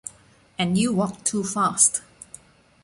And you walk too fast.